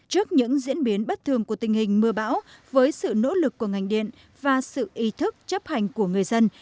trước những diễn biến bất thường của tình hình mưa bão với sự nỗ lực của ngành điện và sự ý thức chấp hành của người dân